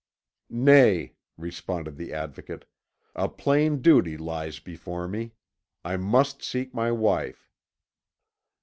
"Nay," responded the Advocate, "a plain duty lies before me. I must seek my wife."